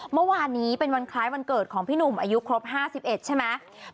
เมื่อวานนี้เป็นวันคล้ายวันเกิดของพี่หนุ่มอายุครบ๕๑ใช่ไหม